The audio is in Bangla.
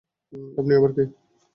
আপনি আবার কে?